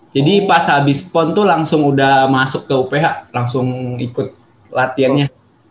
jadi pas habis pon tuh langsung udah masuk ke uph langsung ikut latihannya